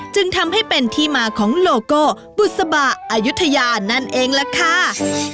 จึงทำให้เป็นที่มาของโลโก้บุษบะอายุทยานั่นเองล่ะค่ะ